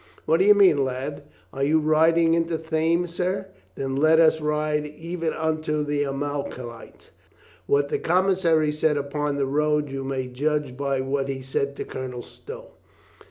"What do you mean, lad?" "Are you riding into Thame, sir? Then let us ride even unto the Amalekite." What the commissary said upon the road you may judge by what he said to Colonel Stow.